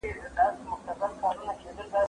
ته ولي سبزیجات جمع کوې،